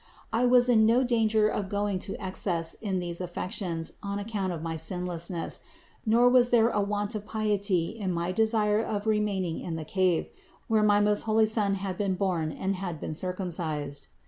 I was in no danger of going to excess in these affections on account of my sinlessness; nor was there a want of piety in my desire of remaining in the cave, where my most holy Son had been born and had been circumcised.